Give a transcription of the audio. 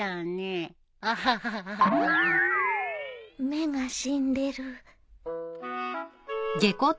目が死んでる